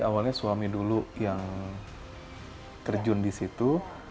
awalnya suami dulu yang terjun di situ